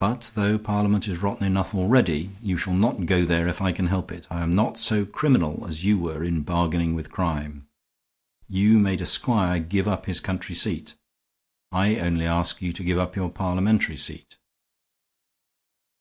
But, though Parliament is rotten enough already, you shall not go there if I can help it. I am not so criminal as you were in bargaining with crime. You made a squire give up his country seat. I only ask you to give up your Parliamentary seat."